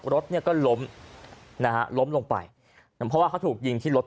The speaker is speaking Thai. รถเนี่ยก็ล้มนะฮะล้มลงไปเพราะว่าเขาถูกยิงที่รถ